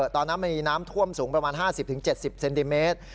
ตอนนั้นมีน้ำท่วมสูงประมาณ๕๐๗๐เซนติเมตร